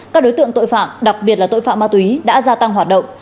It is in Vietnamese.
các đối tượng tội phạm đặc biệt là tội phạm ma túy đã gia tăng hoạt động